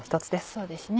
そうですね。